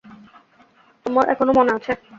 তোমার এখনো মনে আছে?